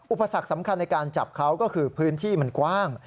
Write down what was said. อุปสรรคสำคัญในการจับเขาก็คือพื้นที่มันกว้าง